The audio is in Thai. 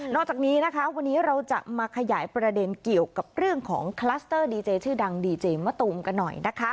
จากนี้นะคะวันนี้เราจะมาขยายประเด็นเกี่ยวกับเรื่องของคลัสเตอร์ดีเจชื่อดังดีเจมะตูมกันหน่อยนะคะ